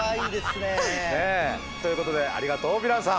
ねえ。ということでありがとうヴィランさん！